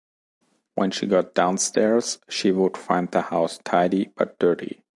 When she got downstairs, she would find the house tidy, but dirty.